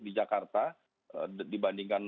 di jakarta dibandingkan